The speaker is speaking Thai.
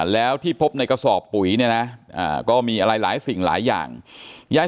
แล้วที่พบในกระสอบปุ๋ยเนี่ยนะก็มีอะไรหลายสิ่งหลายอย่างยาย